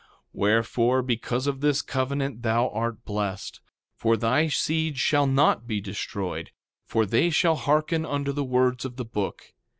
3:23 Wherefore, because of this covenant thou art blessed; for thy seed shall not be destroyed, for they shall hearken unto the words of the book.